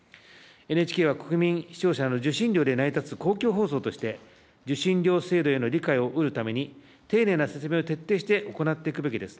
ＮＨＫは国民・視聴者の受信料で成り立つ公共放送として、受信料制度への理解を得るために、丁寧な説明を徹底して行っていくべきです。